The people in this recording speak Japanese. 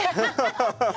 ハハハハ！